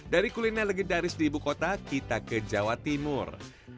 dari kuliner legendaris di ibukota kita ke jawa timur